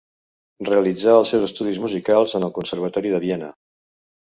Realitzà els seus estudis musicals en el Conservatori de Viena.